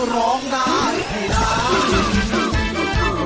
ร้องได้ให้ร้าน